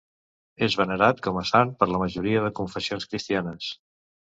És venerat com a sant per la majoria de confessions cristianes.